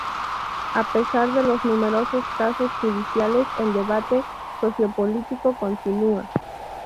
A pesar de los numerosos casos judiciales, el debate sociopolítico continúa.